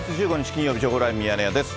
金曜日、情報ライブミヤネ屋です。